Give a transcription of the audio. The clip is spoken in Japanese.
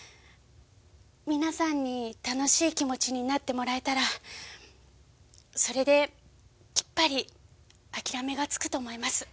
皆さんに楽しい気持ちになってもらえたらそれできっぱり諦めがつくと思います。